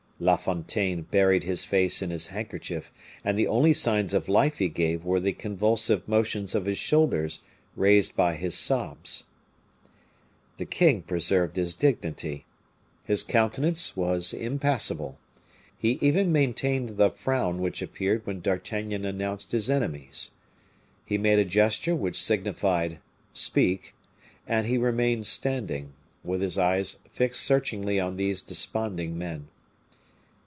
La Fontaine buried his face in his handkerchief, and the only signs of life he gave were the convulsive motions of his shoulders, raised by his sobs. The king preserved his dignity. His countenance was impassible. He even maintained the frown which appeared when D'Artagnan announced his enemies. He made a gesture which signified, "Speak;" and he remained standing, with his eyes fixed searchingly on these desponding men.